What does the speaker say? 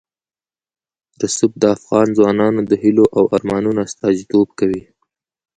رسوب د افغان ځوانانو د هیلو او ارمانونو استازیتوب کوي.